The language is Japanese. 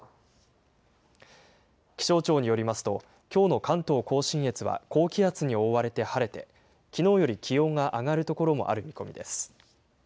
気象庁によりますと、きょうの関東甲信越は、高気圧に覆われて晴れて、きのうより気温が上がる所もある見込みです。